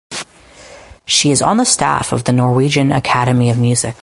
She is on the staff of the Norwegian Academy of Music